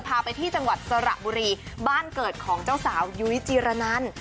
พาไปที่จังหวัดสระบุรีบ้านเกิดของเจ้าสาวยุ้ยจีรนัน